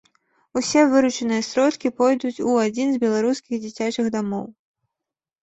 Усе выручаныя сродкі пойдуць у адзін з беларускіх дзіцячых дамоў!